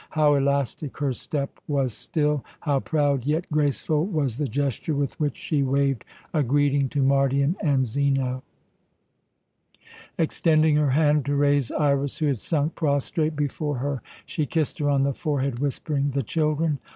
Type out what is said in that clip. How elastic her step was still! how proud yet graceful was the gesture with which she waved a greeting to Mardion and Zeno! Extending her hand to raise Iras, who had sunk prostrate before her, she kissed her on the forehead, whispering, "The children?"